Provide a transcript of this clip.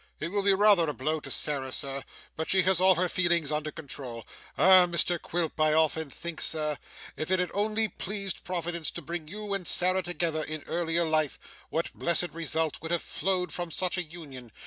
It will be rather a blow to Sarah, sir, but she has all her feelings under control. Ah, Mr Quilp, I often think, sir, if it had only pleased Providence to bring you and Sarah together, in earlier life, what blessed results would have flowed from such a union!